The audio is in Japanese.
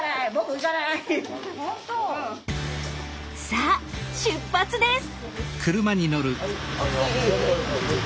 さあ出発です。